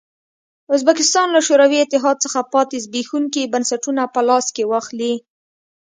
ازبکستان له شوروي اتحاد څخه پاتې زبېښونکي بنسټونه په لاس کې واخلي.